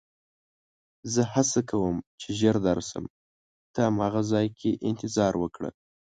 زه هڅه کوم چې ژر درشم، ته هماغه ځای کې انتظار وکړه.